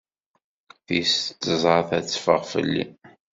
Tis tẓat ad teffeɣ fell-i.